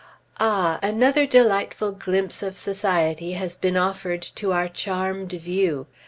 Ah! another delightful glimpse of society has been offered to our charmed view.